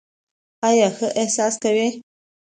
ایا ښه احساس کوئ؟